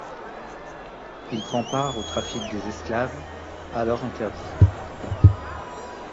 Il prend part au trafic des esclaves, alors interdit.